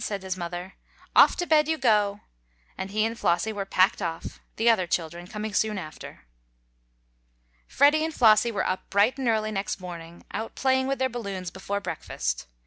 said his mother. "Off to bed you go!" and he and Flossie were "packed off," the other children coming soon after. Freddie and Flossie were up bright and early next morning, out playing with their balloons before breakfast.